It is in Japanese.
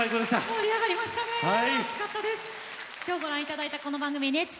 今日ご覧いただいたこの番組ＮＨＫ